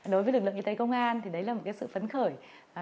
đối với lực lượng y tế công an thì đấy là một sự phấn khởi